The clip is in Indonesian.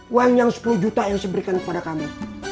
uang yang sepuluh juta yang saya berikan kepada kami